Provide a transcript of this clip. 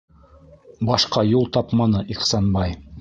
Башҡа юл тапманы Ихсанбай...